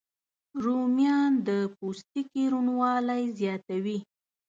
رومیان د پوستکي روڼوالی زیاتوي